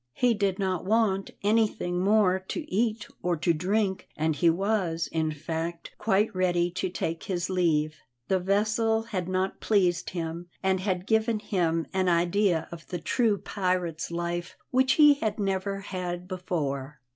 He did not want anything more to eat or to drink, and he was, in fact, quite ready to take his leave. The vessel had not pleased him and had given him an idea of the true pirate's life which he had never had before.